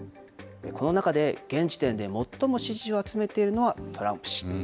この中で現時点で最も支持を集めているのはトランプ氏。